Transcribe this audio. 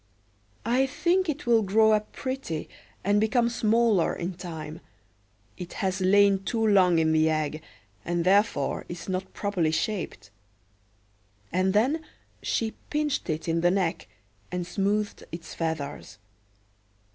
I think it will grow up pretty, and become smaller in time; it has lain too long in the egg, and therefore is not properly shaped." And then she pinched it in the neck, and smoothed its feathers.